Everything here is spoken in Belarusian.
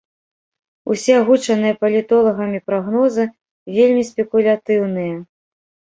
Усе агучаныя палітолагамі прагнозы вельмі спекулятыўныя.